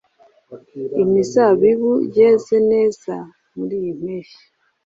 Imizabibu yeze neza muriyi mpeshyi